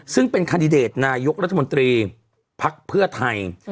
ซึ่งเป็นคันดิเดตนายกรัฐมนตรีภักดิ์เพื่อไทย